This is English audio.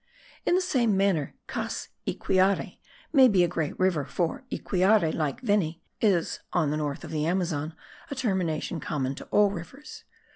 In the same manner Cass iquiare may be a great river, for iquiare, like veni, is, an the north of the Amazon, a termination common to all rivers.